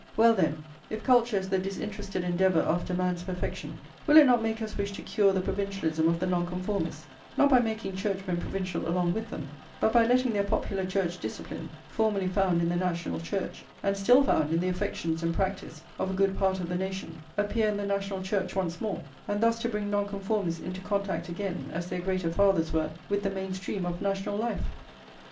Well, then, if culture is the disinterested endeavour after man's perfection, will it not make us wish to cure the provincialism of the Nonconformists, not by making Churchmen provincial along with them, but by letting their popular church discipline, formerly found in the National Church, and still found in the affections and practice of a good part of the nation, appear in the National Church once more; and thus to bring Nonconformists into contact again, as their greater fathers were, with the main stream of national life?